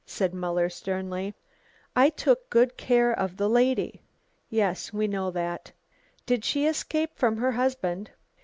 said Muller sternly. "I took good care of the lady." "Yes, we know that." "Did she escape from her husband?"